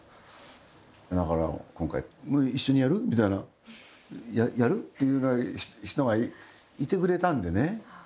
だから今回一緒にやる？みたいなやる？っていうような人がいてくれたんでね。